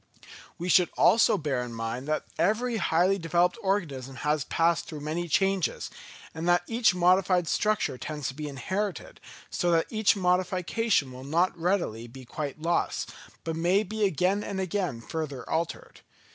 We should also bear in mind that every highly developed organism has passed through many changes; and that each modified structure tends to be inherited, so that each modification will not readily be quite lost, but may be again and again further altered.